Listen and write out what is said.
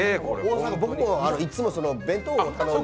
僕もいつも弁当を頼むので。